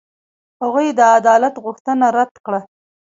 هغوی د عدالت غوښتنه رد کړه.